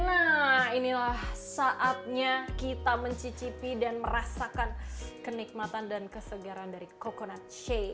nah inilah saatnya kita mencicipi dan merasakan kenikmatan dan kesegaran dari coconut shaye